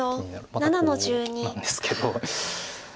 またコウなんですけど。